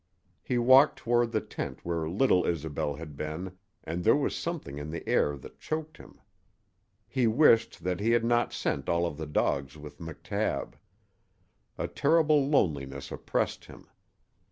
He walked toward the tent where little Isobel had been, and there was something in the air that choked him. He wished that he had not sent all of the dogs with McTabb. A terrible loneliness oppressed him.